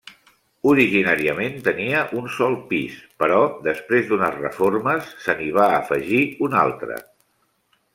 Originàriament tenia un sol pis, però després d'unes reformes se n'hi va afegir un altre.